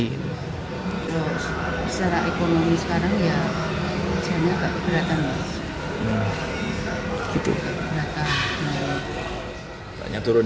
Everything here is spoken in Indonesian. secara ekonomi sekarang ya jannya agak berat